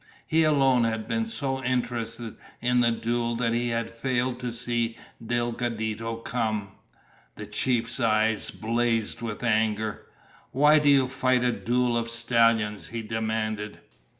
He alone had been so interested in the duel that he had failed to see Delgadito come. The chief's eyes blazed with anger. "Why do you fight a duel of stallions?" he demanded.